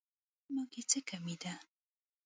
مالې ما کې څه کمی دی.